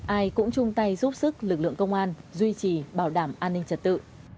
ai cũng chung tay giúp sức lực lượng công an duy trì bảo đảm an ninh trật tự